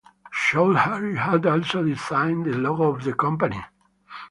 Chowdhury had also designed the logo of the company.